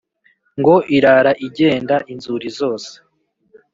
ngo irara igenda inzuri zose